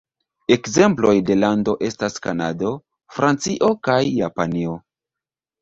Ekzemploj de lando estas Kanado, Francio, kaj Japanio.